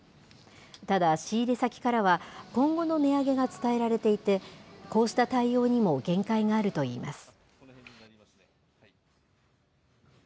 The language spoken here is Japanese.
ただ、仕入れ先からは、今後の値上げが伝えられていて、こうした対応にも限界があるといいます。